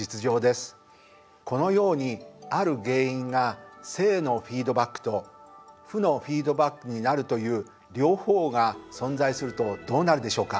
このようにある原因が正のフィードバックと負のフィードバックになるという両方が存在するとどうなるでしょうか？